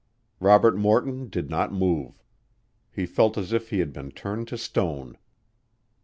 Robert Morton did not move. He felt as if he had been turned to stone.